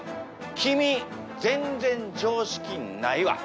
君全然常識ないわ。